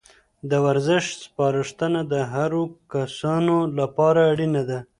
د ورزش سپارښتنه د هرو کسانو لپاره اړینه ده.